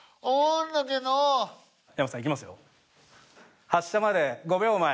山内さんいきますよ。